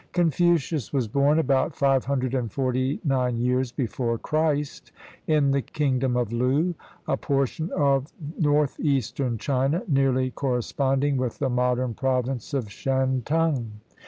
Confucius was born about five hundred and forty nine years before Christ, in the Kingdom of Loo, a portion of northeastern China, nearly corresponding with the modern Province of Shantung.